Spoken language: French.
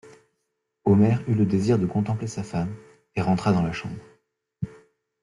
Omer eut le désir de contempler sa femme, et rentra dans la chambre.